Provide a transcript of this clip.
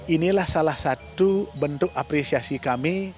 inilah salah satu bentuk apresiasi kami